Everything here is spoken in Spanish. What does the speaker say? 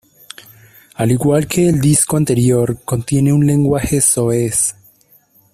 Al igual que el disco anterior contiene un lenguaje soez.